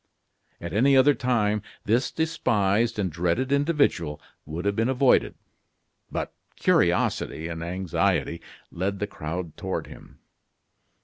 At any other time this despised and dreaded individual would have been avoided; but curiosity and anxiety led the crowd toward him.